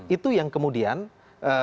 itu yang kemudian dipahami oleh pak ahok